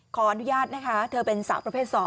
ขออนุญาตนะคะเธอเป็นสาวประเภท๒